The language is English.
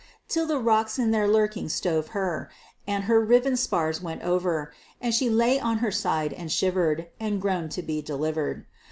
Till the rocks in their lurking stove her, And her riven spars went over, And she lay on her side and shivered, And groaned to be delivered.